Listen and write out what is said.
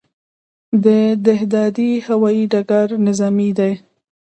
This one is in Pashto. د دهدادي هوايي ډګر نظامي دی